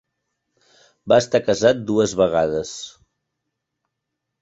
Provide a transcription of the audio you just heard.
Va estar casat dues vegades.